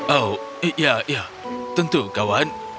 oh iya ya tentu kawan